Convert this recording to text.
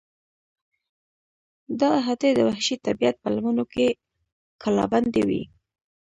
دا احاطې د وحشي طبیعت په لمنو کې کلابندې وې.